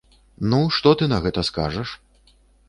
Ну, што ты на гэта скажаш?